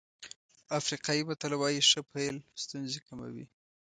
افریقایي متل وایي ښه پيل ستونزې کموي.